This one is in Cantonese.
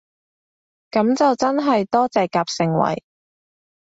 噉就真係多謝夾盛惠